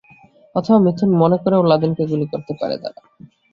অথবা মিথুন মনে করেও লাদেনকে গুলি করতে পারে তারা।